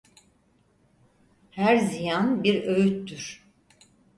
Her ziyan bir öğüttür.